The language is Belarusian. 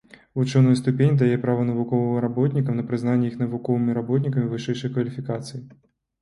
Вучоная ступень дае права навуковым работнікам на прызнанне іх навуковымі работнікамі вышэйшай кваліфікацыі.